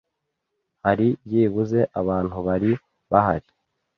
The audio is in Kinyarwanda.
Hari byibuze abantu bari bahari.